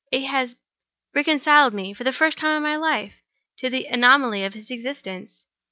It has reconciled me, for the first time in my life, to the anomaly of his existence."